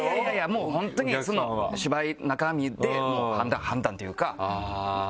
もう本当に芝居中身で判断というか。